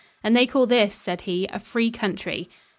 "And they call this," said he, "a free country!"